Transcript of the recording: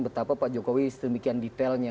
betapa pak jokowi sedemikian detailnya